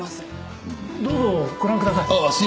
どうぞご覧ください。